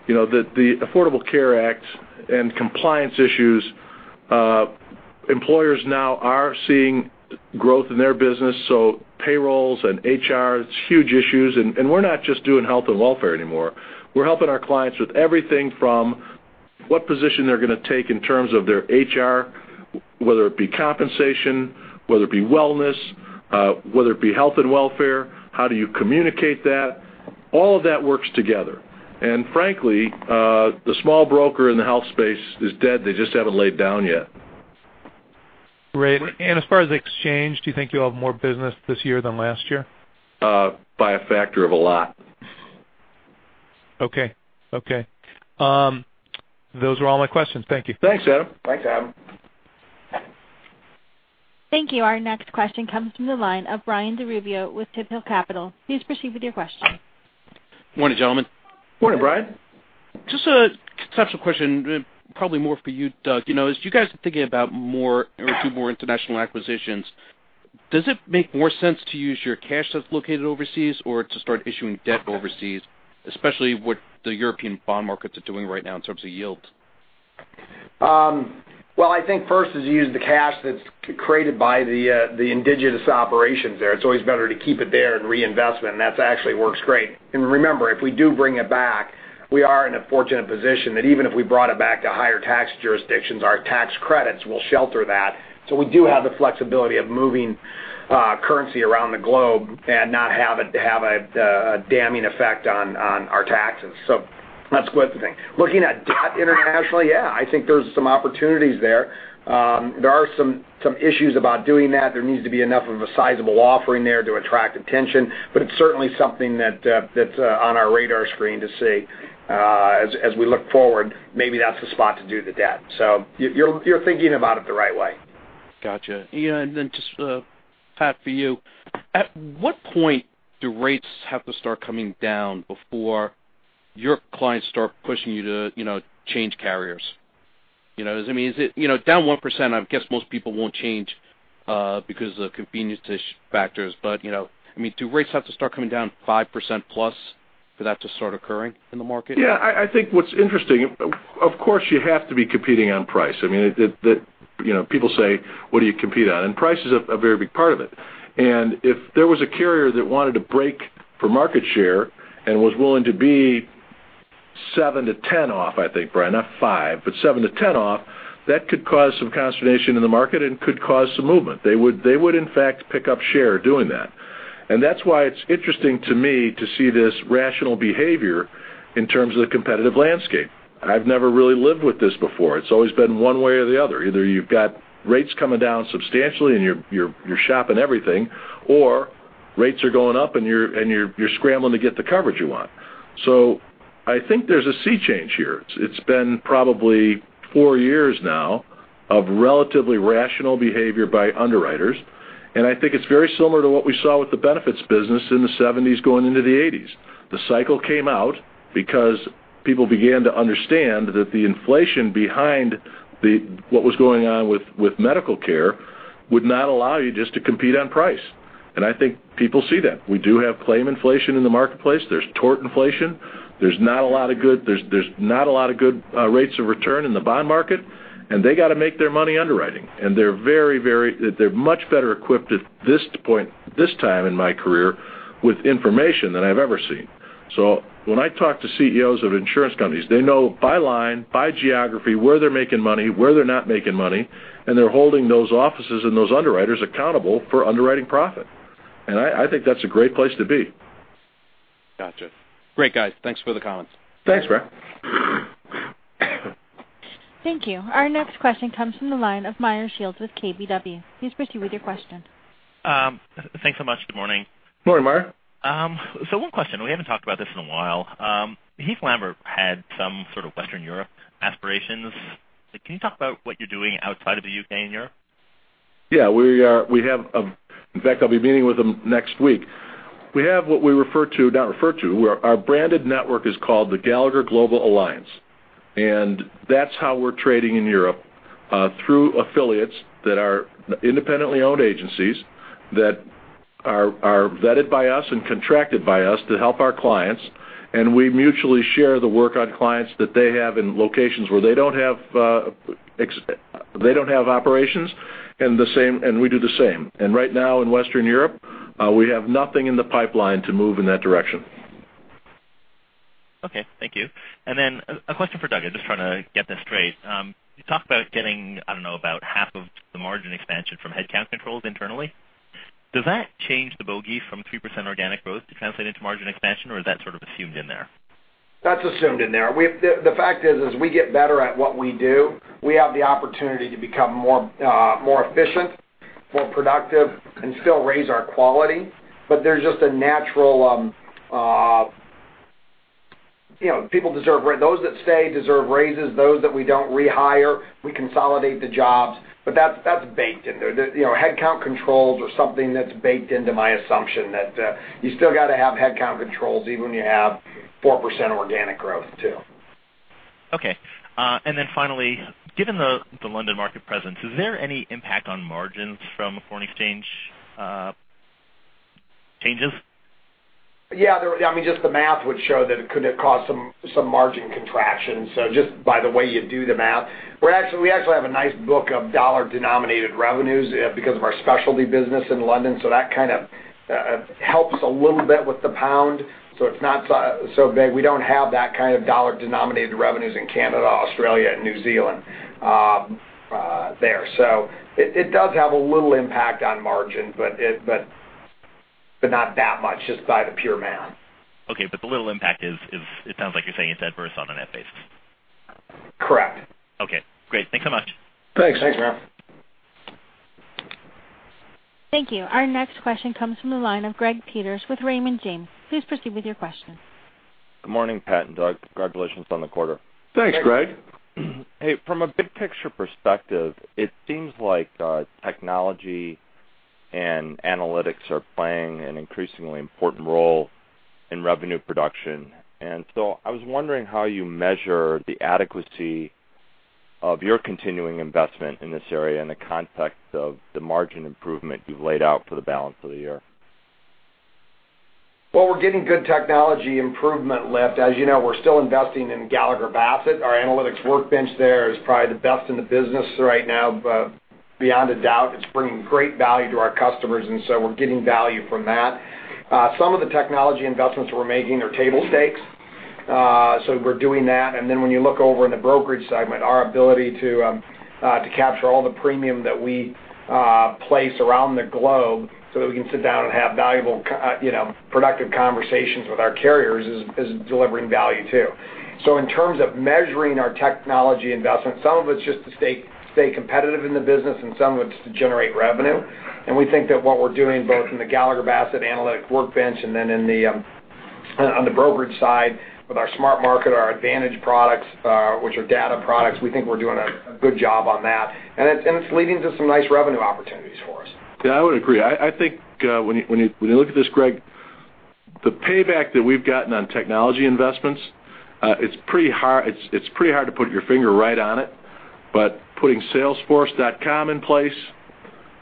the Affordable Care Act and compliance issues. Employers now are seeing growth in their business, so payrolls and HR, it's huge issues. We're not just doing health and welfare anymore. We're helping our clients with everything from what position they're going to take in terms of their HR, whether it be compensation, whether it be wellness, whether it be health and welfare, how do you communicate that? All of that works together. Frankly, the small broker in the health space is dead. They just haven't laid down yet. Great. As far as exchange, do you think you have more business this year than last year? By a factor of a lot. Okay. Those are all my questions. Thank you. Thanks, Adam. Thanks, Adam. Thank you. Our next question comes from the line of Brian DeRubbio with Tiburon Capital. Please proceed with your question. Morning, gentlemen. Morning, Brian. Just a conceptual question, probably more for you, Doug. As you guys are thinking about more or two more international acquisitions, does it make more sense to use your cash that's located overseas or to start issuing debt overseas, especially what the European bond markets are doing right now in terms of yields? I think first is use the cash that's created by the indigenous operations there. It's always better to keep it there and reinvestment, and that actually works great. Remember, if we do bring it back, we are in a fortunate position that even if we brought it back to higher tax jurisdictions, our tax credits will shelter that. We do have the flexibility of moving currency around the globe and not have it to have a damning effect on our taxes. That's one thing. Looking at debt internationally, yeah, I think there's some opportunities there. There are some issues about doing that. There needs to be enough of a sizable offering there to attract attention, it's certainly something that's on our radar screen to see. As we look forward, maybe that's the spot to do the debt. You're thinking about it the right way. Got you. Just, Pat, for you. At what point do rates have to start coming down before your clients start pushing you to change carriers? Down 1%, I guess most people won't change because of convenience factors. Do rates have to start coming down 5% plus for that to start occurring in the market? Yeah, I think what's interesting, of course, you have to be competing on price. People say, "What do you compete on?" Price is a very big part of it. If there was a carrier that wanted to break for market share and was willing to be 7-10 off, I think, Brian, not five, but 7-10 off, that could cause some consternation in the market and could cause some movement. They would, in fact, pick up share doing that. That's why it's interesting to me to see this rational behavior in terms of the competitive landscape. I've never really lived with this before. It's always been one way or the other. Either you've got rates coming down substantially and you're shopping everything, or rates are going up and you're scrambling to get the coverage you want. I think there's a sea change here. It's been probably four years now of relatively rational behavior by underwriters, I think it's very similar to what we saw with the benefits business in the 1970s going into the 1980s. The cycle came out because people began to understand that the inflation behind what was going on with medical care would not allow you just to compete on price. I think people see that. We do have claim inflation in the marketplace. There's tort inflation. There's not a lot of good rates of return in the bond market, they got to make their money underwriting. They're much better equipped at this point, this time in my career, with information than I've ever seen. When I talk to CEOs of insurance companies, they know by line, by geography, where they're making money, where they're not making money, and they're holding those offices and those underwriters accountable for underwriting profit. I think that's a great place to be. Gotcha. Great, guys. Thanks for the comments. Thanks, Brian. Thank you. Our next question comes from the line of Meyer Shields with KBW. Please proceed with your question. Thanks so much. Good morning. Morning, Meyer. One question. We haven't talked about this in a while. Heath Lambert had some sort of Western Europe aspirations. Can you talk about what you're doing outside of the U.K. and Europe? Yeah. In fact, I'll be meeting with them next week. We have what we refer to, our branded network is called the Gallagher Global Network. That's how we're trading in Europe, through affiliates that are independently owned agencies that are vetted by us and contracted by us to help our clients. We mutually share the work on clients that they have in locations where they don't have operations, and we do the same. Right now in Western Europe, we have nothing in the pipeline to move in that direction. Okay, thank you. A question for Doug. I'm just trying to get this straight. You talked about getting, I don't know, about half of the margin expansion from headcount controls internally. Does that change the bogey from 3% organic growth to translate into margin expansion, or is that sort of assumed in there? That's assumed in there. The fact is, as we get better at what we do, we have the opportunity to become more efficient, more productive, and still raise our quality. There's just. Those that stay deserve raises. Those that we don't rehire, we consolidate the jobs. That's baked in there. Headcount controls are something that's baked into my assumption that you still got to have headcount controls even when you have 4% organic growth, too. Okay. Finally, given the London market presence, is there any impact on margins from foreign exchange changes? Yeah. Just the math would show that it could cause some margin contraction. Just by the way you do the math. We actually have a nice book of dollar-denominated revenues because of our specialty business in London. That kind of helps a little bit with the pound. It's not so big. We don't have that kind of dollar-denominated revenues in Canada, Australia, and New Zealand there. It does have a little impact on margin, but not that much, just by the pure math. Okay, the little impact is, it sounds like you're saying it's adverse on a net basis. Correct. Okay, great. Thanks so much. Thanks. Thanks, Meyer. Thank you. Our next question comes from the line of Gregory Peters with Raymond James. Please proceed with your question. Good morning, Pat and Doug. Congratulations on the quarter. Thanks, Greg. Hey, from a big picture perspective, it seems like technology and analytics are playing an increasingly important role in revenue production. I was wondering how you measure the adequacy of your continuing investment in this area in the context of the margin improvement you've laid out for the balance of the year. We're getting good technology improvement lift. As you know, we're still investing in Gallagher Bassett. Our analytics workbench there is probably the best in the business right now, beyond a doubt. It's bringing great value to our customers, we're getting value from that. Some of the technology investments we're making are table stakes. We're doing that, when you look over in the brokerage segment, our ability to capture all the premium that we place around the globe so that we can sit down and have valuable, productive conversations with our carriers is delivering value, too. In terms of measuring our technology investment, some of it's just to stay competitive in the business, and some of it's to generate revenue. We think that what we're doing both in the Gallagher Bassett analytic workbench and on the brokerage side with our SmartMarket, our advantage products, which are data products, we think we're doing a good job on that. It's leading to some nice revenue opportunities for us. Yeah, I would agree. I think when you look at this, Greg, the payback that we've gotten on technology investments, it's pretty hard to put your finger right on it. Putting salesforce.com in place,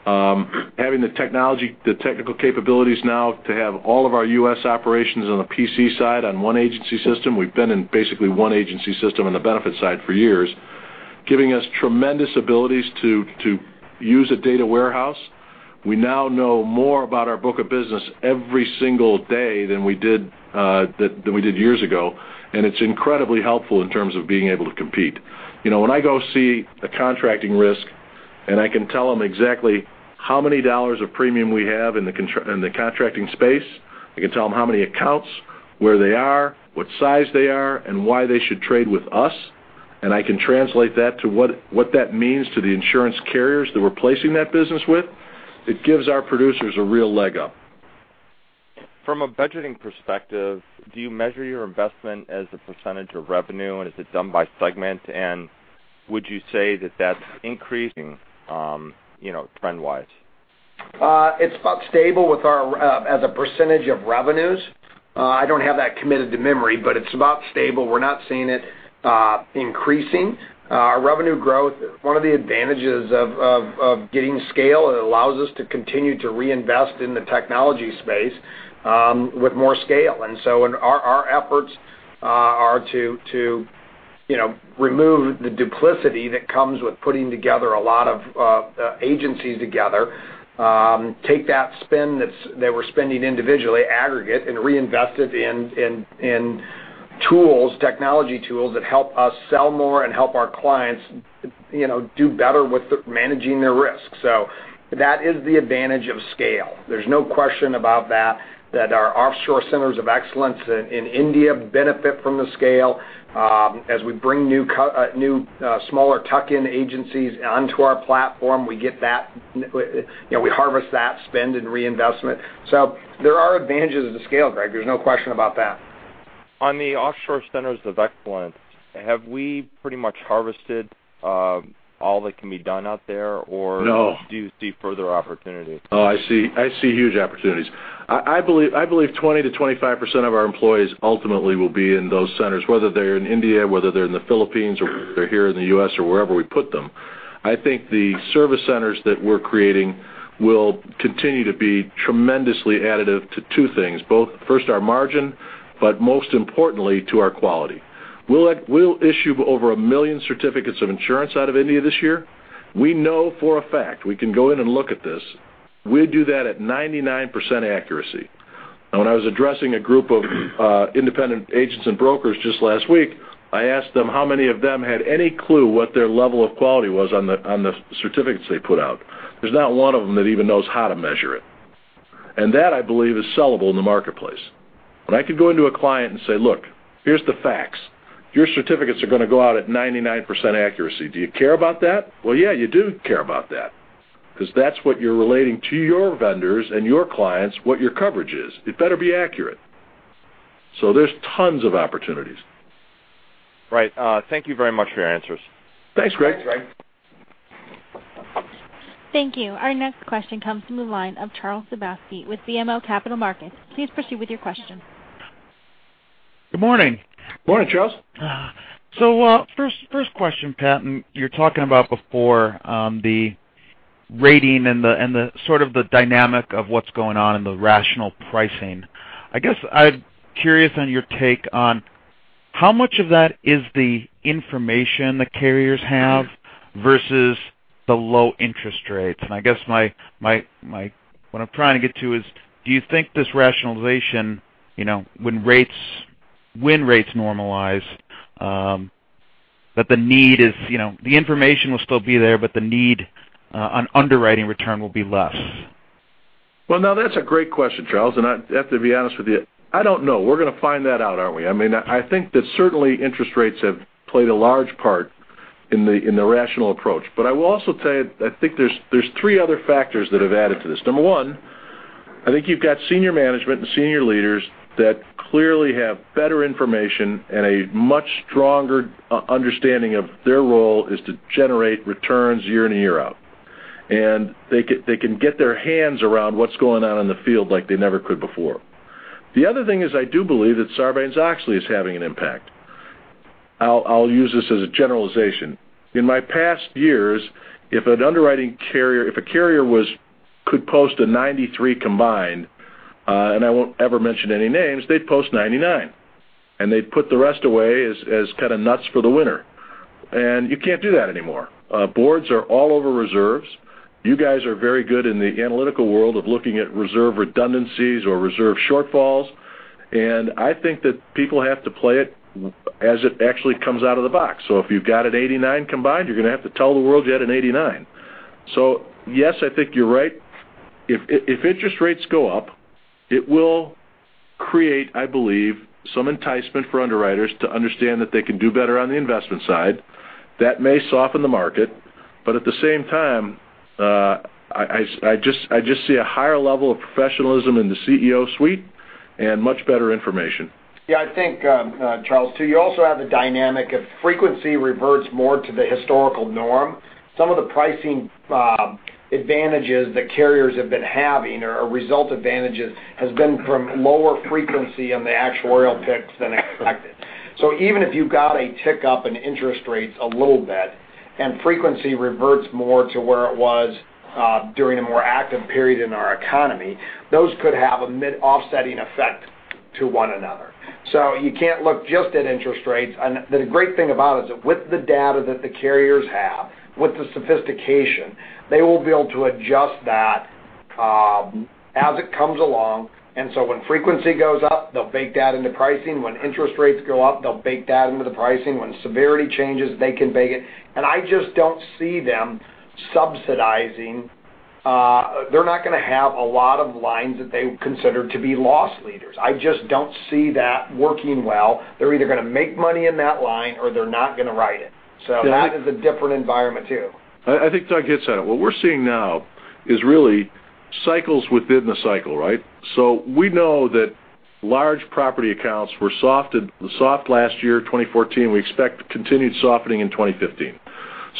having the technical capabilities now to have all of our U.S. operations on the PC side on one agency system. We've been in basically one agency system on the benefit side for years, giving us tremendous abilities to use a data warehouse. We now know more about our book of business every single day than we did years ago, and it's incredibly helpful in terms of being able to compete. When I go see a contracting risk, I can tell them exactly how many dollars of premium we have in the contracting space, I can tell them how many accounts, where they are, what size they are, why they should trade with us, I can translate that to what that means to the insurance carriers that we're placing that business with, it gives our producers a real leg up. From a budgeting perspective, do you measure your investment as a percentage of revenue, and is it done by segment? Would you say that that's increasing trend-wise? It's about stable as a percentage of revenues. I don't have that committed to memory, but it's about stable. We're not seeing it increasing. Our revenue growth, one of the advantages of getting scale, it allows us to continue to reinvest in the technology space with more scale. Our efforts are to remove the duplicity that comes with putting together a lot of agencies together. Take that spend that they were spending individually, aggregate, and reinvest it in tools, technology tools that help us sell more and help our clients do better with managing their risk. That is the advantage of scale. There's no question about that our offshore centers of excellence in India benefit from the scale. As we bring new, smaller tuck-in agencies onto our platform, we harvest that spend and reinvestment. There are advantages to scale, Greg. There's no question about that. On the offshore centers of excellence, have we pretty much harvested all that can be done out there? No. Do you see further opportunity? Oh, I see huge opportunities. I believe 20%-25% of our employees ultimately will be in those centers, whether they're in India, whether they're in the Philippines, or they're here in the U.S. or wherever we put them. I think the service centers that we're creating will continue to be tremendously additive to two things, both first our margin, but most importantly to our quality. We'll issue over 1 million certificates of insurance out of India this year. We know for a fact, we can go in and look at this, we do that at 99% accuracy. When I was addressing a group of independent agents and brokers just last week, I asked them how many of them had any clue what their level of quality was on the certificates they put out. There's not one of them that even knows how to measure it. That, I believe, is sellable in the marketplace. When I can go into a client and say, "Look, here's the facts. Your certificates are going to go out at 99% accuracy. Do you care about that?" Well, yeah, you do care about that because that's what you're relating to your vendors and your clients what your coverage is. It better be accurate. There's tons of opportunities. Right. Thank you very much for your answers. Thanks, Greg. Thanks, Greg. Thank you. Our next question comes from the line of Charles Sebaski with BMO Capital Markets. Please proceed with your question. Good morning. Morning, Charles. First question, Pat, you were talking about before, the rating and the sort of the dynamic of what's going on in the rational pricing. I guess I'm curious on your take on how much of that is the information the carriers have versus the low interest rates. I guess what I'm trying to get to is, do you think this rationalization, when rates normalize, that the information will still be there, but the need on underwriting return will be less? Well, now that's a great question, Charles, I have to be honest with you, I don't know. We're going to find that out, aren't we? I think that certainly interest rates have played a large part in the rational approach. I will also say, I think there's three other factors that have added to this. Number one, I think you've got senior management and senior leaders that clearly have better information and a much stronger understanding of their role is to generate returns year in and year out. They can get their hands around what's going on in the field like they never could before. The other thing is I do believe that Sarbanes-Oxley is having an impact. I'll use this as a generalization. In my past years, if a carrier could post a 93 combined, I won't ever mention any names, they'd post 99, they'd put the rest away as kind of nuts for the winter. You can't do that anymore. Boards are all over reserves. You guys are very good in the analytical world of looking at reserve redundancies or reserve shortfalls, and I think that people have to play it as it actually comes out of the box. If you've got an 89 combined, you're going to have to tell the world you had an 89. Yes, I think you're right. If interest rates go up, it will create, I believe, some enticement for underwriters to understand that they can do better on the investment side. That may soften the market, at the same time, I just see a higher level of professionalism in the CEO suite and much better information. Yeah, I think, Charles, too, you also have the dynamic of frequency reverts more to the historical norm. Some of the pricing advantages that carriers have been having or result advantages has been from lower frequency on the actuarial picks than expected. Even if you've got a tick up in interest rates a little bit and frequency reverts more to where it was during a more active period in our economy, those could have a mid offsetting effect to one another. You can't look just at interest rates. The great thing about it is with the data that the carriers have, with the sophistication, they will be able to adjust that as it comes along. When frequency goes up, they'll bake that into pricing. When interest rates go up, they'll bake that into the pricing. When severity changes, they can bake it. I just don't see them subsidizing. They're not going to have a lot of lines that they consider to be loss leaders. I just don't see that working well. They're either going to make money in that line or they're not going to write it. That is a different environment too. I think Doug hits on it. What we're seeing now is really cycles within the cycle, right? We know that large property accounts were soft last year, 2014. We expect continued softening in 2015.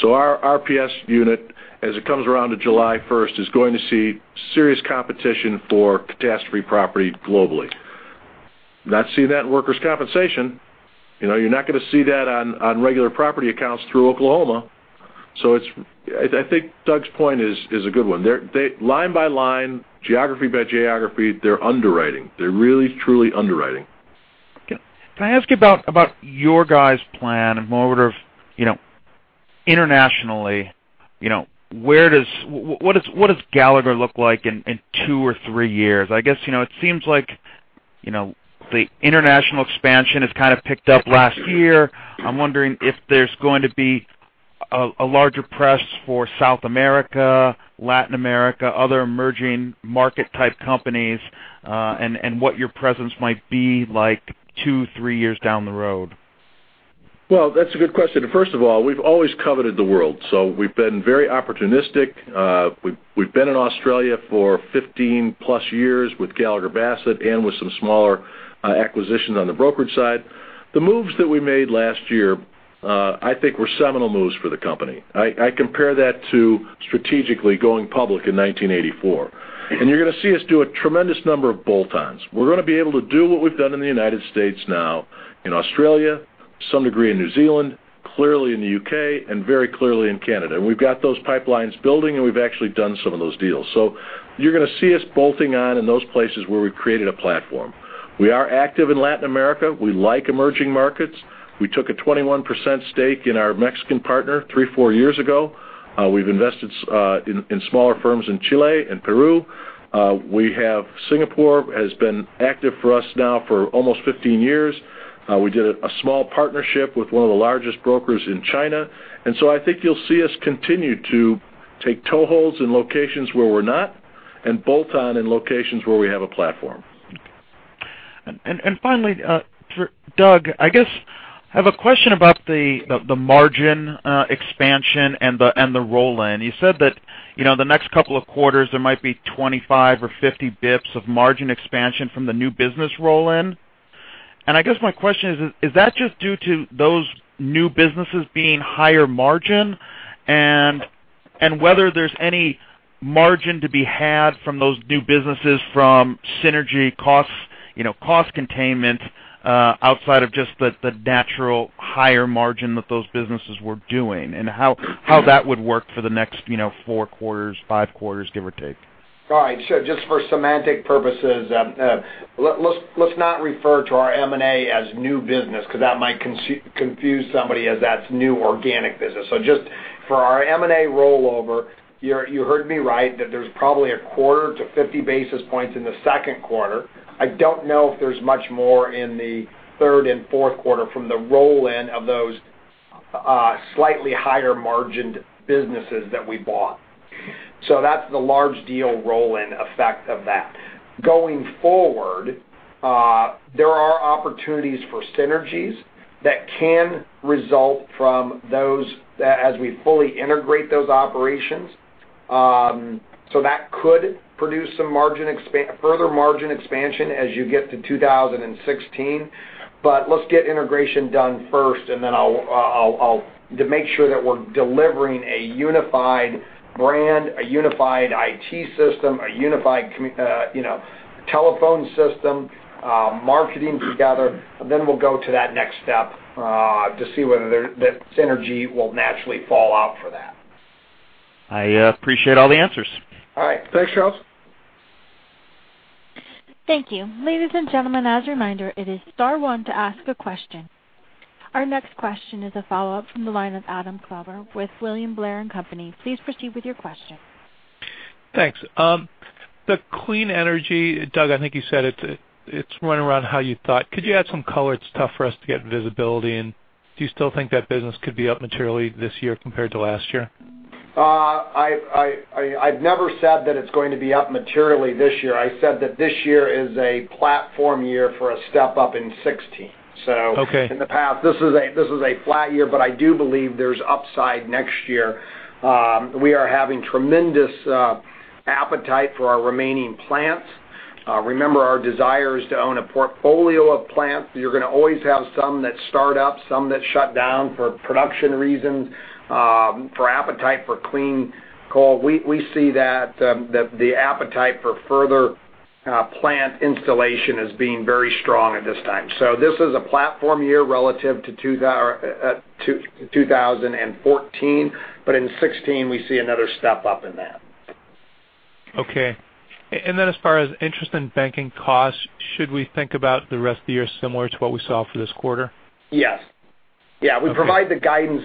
Our RPS unit, as it comes around to July 1st, is going to see serious competition for catastrophe property globally. We're not seeing that in workers' compensation. You're not going to see that on regular property accounts through Oklahoma. I think Doug's point is a good one. Line by line, geography by geography, they're underwriting. They're really truly underwriting. Okay. Can I ask you about your guys' plan in more of internationally, what does Gallagher look like in two or three years? I guess it seems like the international expansion has kind of picked up last year. I'm wondering if there's going to be a larger press for South America, Latin America, other emerging market type companies, and what your presence might be like two, three years down the road. Well, that's a good question. First of all, we've always coveted the world. We've been very opportunistic. We've been in Australia for 15 plus years with Gallagher Bassett and with some smaller acquisitions on the brokerage side. The moves that we made last year, I think were seminal moves for the company. I compare that to strategically going public in 1984. You're going to see us do a tremendous number of bolt-ons. We're going to be able to do what we've done in the U.S. now in Australia, to some degree in New Zealand, clearly in the U.K., and very clearly in Canada. We've got those pipelines building, and we've actually done some of those deals. You're going to see us bolting on in those places where we've created a platform. We are active in Latin America. We like emerging markets. We took a 21% stake in our Mexican partner three, four years ago. We've invested in smaller firms in Chile and Peru. Singapore has been active for us now for almost 15 years. We did a small partnership with one of the largest brokers in China. I think you'll see us continue to take toeholds in locations where we're not and bolt on in locations where we have a platform. Finally, for Doug, I guess I have a question about the margin expansion and the roll-in. You said that the next couple of quarters, there might be 25 or 50 basis points of margin expansion from the new business roll-in. I guess my question is that just due to those new businesses being higher margin and whether there's any margin to be had from those new businesses from synergy costs, cost containment, outside of just the natural higher margin that those businesses were doing, and how that would work for the next four quarters, five quarters, give or take? All right. Sure. Just for semantic purposes, let's not refer to our M&A as new business because that might confuse somebody as that's new organic business. Just for our M&A rollover, you heard me right that there's probably a quarter to 50 basis points in the second quarter. I don't know if there's much more in the third and fourth quarter from the roll-in of those slightly higher margined businesses that we bought. That's the large deal roll-in effect of that. Going forward, there are opportunities for synergies that can result from those as we fully integrate those operations. That could produce some further margin expansion as you get to 2016. Let's get integration done first, then I'll make sure that we're delivering a unified brand, a unified IT system, a unified telephone system, marketing together, then we'll go to that next step, to see whether that synergy will naturally fall out for that. I appreciate all the answers. All right. Thanks, Charles. Thank you. Ladies and gentlemen, as a reminder, it is star one to ask a question. Our next question is a follow-up from the line of Adam Klauber with William Blair & Company. Please proceed with your question. Thanks. The clean energy, Doug, I think you said it's running around how you thought. Could you add some color? It's tough for us to get visibility and do you still think that business could be up materially this year compared to last year? I've never said that it's going to be up materially this year. I said that this year is a platform year for a step up in 2016. Okay. In the past, this is a flat year, but I do believe there's upside next year. We are having tremendous appetite for our remaining plants. Remember our desire is to own a portfolio of plants. You're going to always have some that start up, some that shut down for production reasons, for appetite for clean coal. We see that the appetite for further plant installation as being very strong at this time. This is a platform year relative to 2014, but in 2016, we see another step up in that. Okay. As far as interest and banking costs, should we think about the rest of the year similar to what we saw for this quarter? Yes. Okay. Yeah, we provide the guidance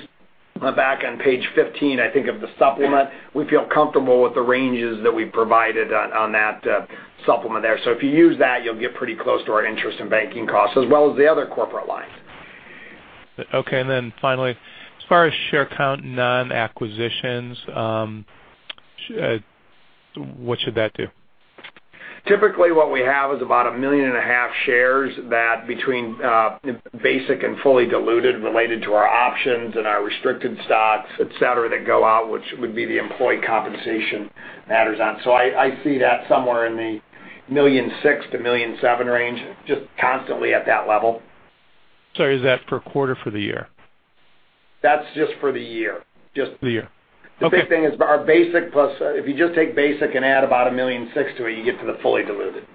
back on page 15, I think, of the supplement. We feel comfortable with the ranges that we provided on that supplement there. If you use that, you'll get pretty close to our interest and banking costs as well as the other corporate lines. Okay, finally, as far as share count, none, acquisitions, what should that do? Typically, what we have is about a million and a half shares that between basic and fully diluted related to our options and our restricted stock, et cetera, that go out, which would be the employee compensation matters on. I see that somewhere in the 1.6 million-1.7 million range, just constantly at that level. Sorry, is that per quarter or for the year? That's just for the year. The year. Okay. The big thing is our basic plus-- If you just take basic and add about $1.6 million to it, you get to the fully diluted.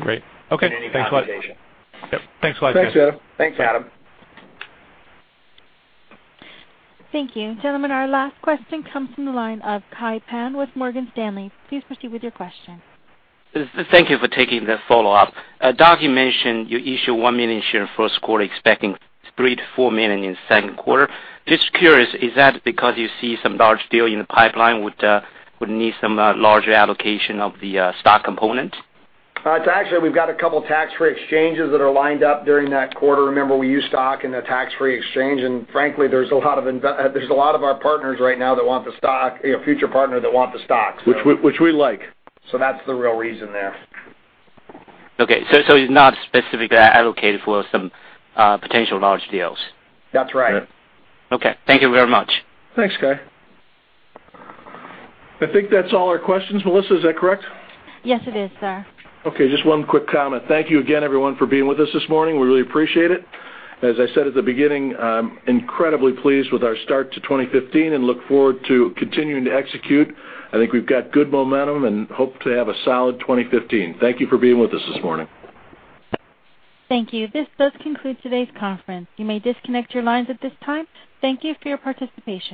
Great. Okay. In any combination. Thanks a lot. Yep. Thanks a lot, guys. Thanks, Adam. Thank you. Gentlemen, our last question comes from the line of Kai Pan with Morgan Stanley. Please proceed with your question. Thank you for taking the follow-up. Doug, you mentioned you issue 1 million share in first quarter, expecting $3 million-$4 million in second quarter. Just curious, is that because you see some large deal in the pipeline would need some larger allocation of the stock component? It's actually, we've got a couple tax-free exchanges that are lined up during that quarter. Remember, we use stock in a tax-free exchange, and frankly, there's a lot of our partners right now that want the stock, future partner that want the stock. Which we like That's the real reason there. Okay. It's not specifically allocated for some potential large deals? That's right. Okay. Thank you very much. Thanks, Kai. I think that's all our questions, Melissa, is that correct? Yes, it is, sir. Okay, just one quick comment. Thank you again, everyone, for being with us this morning. We really appreciate it. As I said at the beginning, I'm incredibly pleased with our start to 2015 and look forward to continuing to execute. I think we've got good momentum and hope to have a solid 2015. Thank you for being with us this morning. Thank you. This does conclude today's conference. You may disconnect your lines at this time. Thank you for your participation.